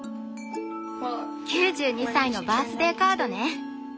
９２歳のバースデーカードね。